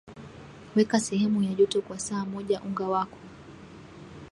weka sehemu ya joto kwa saa moja unga wako